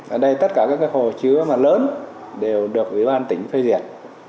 ở đây tất cả các hồ chứa mà lớn đều được ủy ban tỉnh phê duyệt